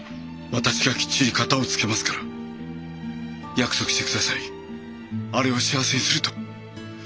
私がきっちり片をつけますから約束して下さいあれを幸せにすると。